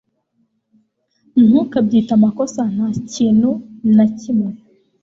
Ntukabyite amakosa nta kintu na kimwe